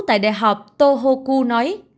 tại đại học tohoku nói